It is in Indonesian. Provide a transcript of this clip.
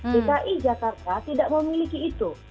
dki jakarta tidak memiliki itu